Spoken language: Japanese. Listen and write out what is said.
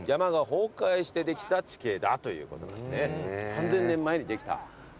３，０００年前にできた。